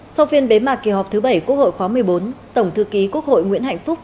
sau phiên bế mạc kỳ họp thứ bảy quốc hội khóa một mươi bốn tổng thư ký quốc hội nguyễn hạnh phúc